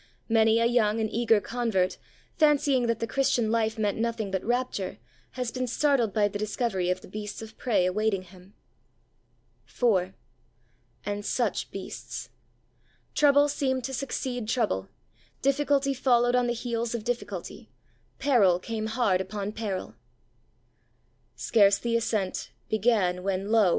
Many a young and eager convert, fancying that the Christian life meant nothing but rapture, has been startled by the discovery of the beasts of prey awaiting him. IV And such beasts! Trouble seemed to succeed trouble; difficulty followed on the heels of difficulty; peril came hard upon peril. Scarce the ascent Began, when, lo!